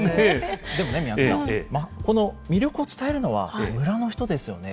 でもね、三宅さん、この魅力を伝えるのは村の人ですよね。